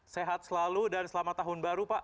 sehat selalu dan selamat tahun baru pak